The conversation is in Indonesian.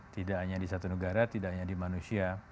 tidak hanya di satu negara tidak hanya di manusia